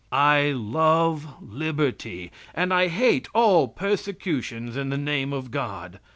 I love liberty and I hate all persecutions in the name of God.